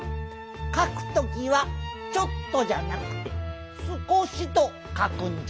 かくときは「ちょっと」じゃなくて「すこし」とかくんじゃ。